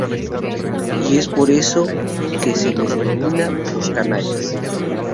Y es por eso que se los denomina "Los canallas".